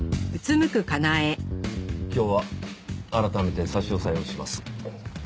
今日は改めて差し押さえをします。